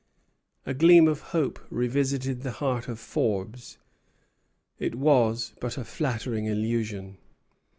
A gleam of hope revisited the heart of Forbes. It was but a flattering illusion.